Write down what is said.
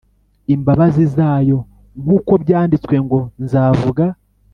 imbabazi zayo nk uko byanditswe ngo Nzavuga